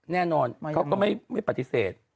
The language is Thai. แน่นอนเขาก็ไม่ปฏิเสธ